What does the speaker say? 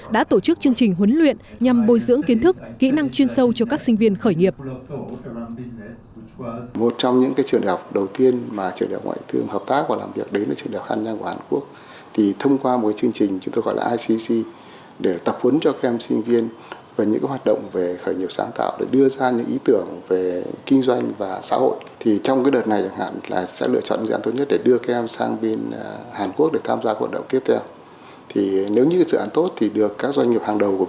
đã tổ chức chương trình huấn luyện nhằm bồi dưỡng kiến thức kỹ năng chuyên sâu cho các sinh viên khởi nghiệp